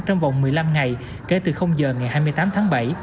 trong vòng một mươi năm ngày kể từ giờ ngày hai mươi tám tháng bảy